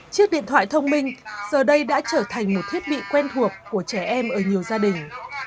chiếc điện thoại thông minh giờ đây đã trở thành một thiết bị quen thuộc của trẻ em ở nhiều gia đình